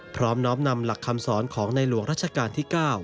น้อมนำหลักคำสอนของในหลวงรัชกาลที่๙